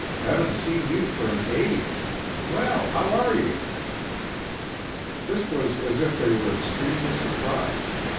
Haven't seen you for an age. Well! How are you?" This was as if they were extremely surprised.